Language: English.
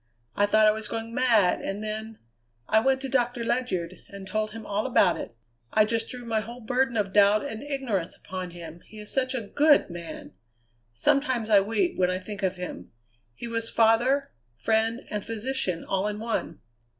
I thought I was going mad, and then I went to Doctor Ledyard and told him all about it. I just threw my whole burden of doubt and ignorance upon him he is such a good man! Sometimes I weep when I think of him. He was father, friend, and physician, all in one.